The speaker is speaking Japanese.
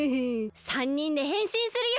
３にんでへんしんするよ！